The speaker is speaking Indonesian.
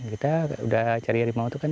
kita udah cari harimau itu kan